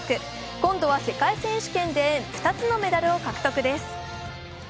今度は世界選手権で２つのメダルを獲得です。